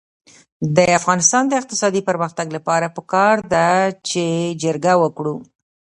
د افغانستان د اقتصادي پرمختګ لپاره پکار ده چې جرګه وکړو.